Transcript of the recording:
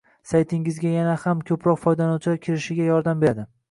saytingizga yana ham ko’proq foydalanuvchilar kirishiga yordam beradi